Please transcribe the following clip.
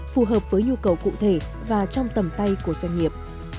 phù hợp với nhu cầu cụ thể và trong tầm tay của doanh nghiệp